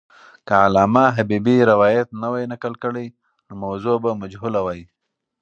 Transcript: که علامه حبیبي روایت نه وای نقل کړی، نو موضوع به مجهوله وای.